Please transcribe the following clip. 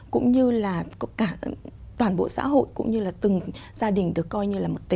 cũng như là cả toàn bộ xã hội cũng như là từng gia đình được coi như là một